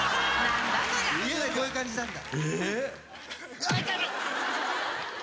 家でこういう感じなんだ。